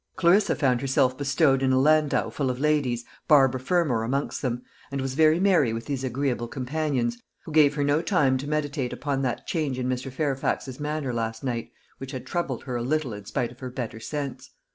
Clarissa found herself bestowed in a landau full of ladies, Barbara Fermor amongst them; and was very merry with these agreeable companions, who gave her no time to meditate upon that change in Mr. Fairfax's manner last night, which had troubled her a little in spite of her better sense.